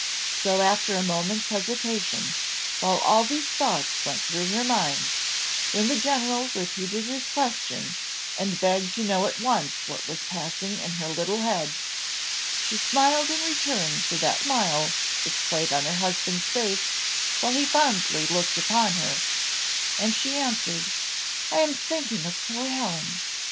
So, after a moment's hesitation, while all these thoughts went through her mind, when the general repeated his question, and begged to know at once what was passing in her little head; she smiled in return for that smile which played on her husband's face while he fondly looked upon her, and she answered, "I am thinking of poor Helen.